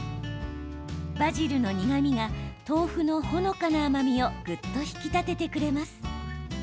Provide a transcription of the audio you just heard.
バジルの苦みが豆腐のほのかな甘みをぐっと引き立ててくれます。